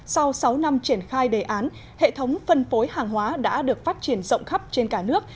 sau sáu năm triển khai đề án hệ thống phân phối hàng hóa đã được phát triển rộng khắp trên cả nước